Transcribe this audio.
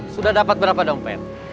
sudah dapat berapa dompet